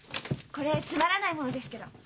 これつまらないものですけど。